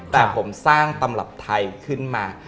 แต่ผมสร้างตำรับไทยขึ้นมา